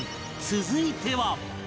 続いては